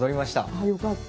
ああよかった。